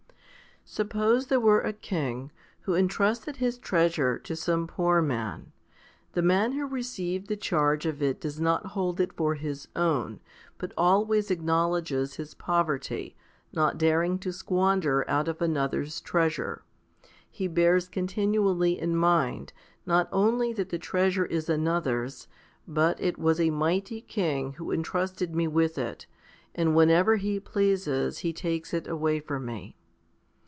Suppose there were a king, who entrusted his treasure to some poor man. The man who received the charge of it does not hold it for his own, but always acknowledges his poverty, not daring to squander out of another's treasure. He bears continually in mind, not only that the treasure is another's, but "it was a mighty king who entrusted me with it, and whenever he pleases he takes it away from me."